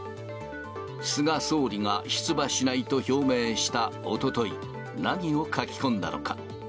菅総理が出馬しないと表明したおととい、何を書き込んだのか。